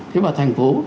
thế và thành phố